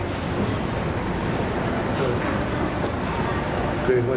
ข้อความที่ให้คุณฝังว่า